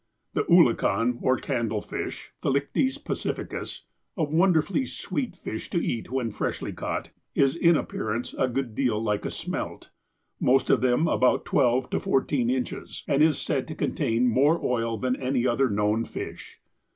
The oolakan, or candle fish (^/iafeic/rf%sj;ffci^CMs), a won derfully sweet fish to eat when freshly caught, is in appear ance a good deal like a smelt, most of them about twelve to fourteen inches, and is said to contain more oil than any other known fish.